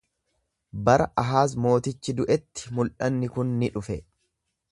Bara Ahaaz mootichi du’etti mul’anni kun ni dhufe.